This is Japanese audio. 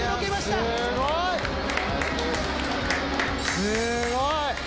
すごい！